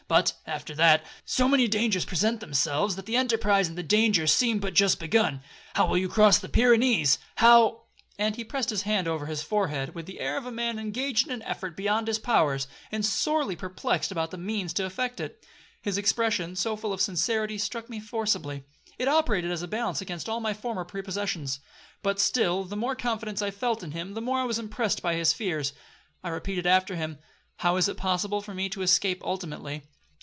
But, after that, so many dangers present themselves, that the enterprise and the danger seem but just begun. How will you cross the Pyrennees? How—' and he passed his hand over his forehead, with the air of a man engaged in an effort beyond his powers, and sorely perplexed about the means to effect it. This expression, so full of sincerity, struck me forcibly. It operated as a balance against all my former prepossessions. But still the more confidence I felt in him, the more I was impressed by his fears. I repeated after him, 'How is it possible for me to escape ultimately?